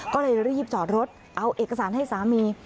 ก็เลยรีบจอดรถเอาเอกสารให้สามี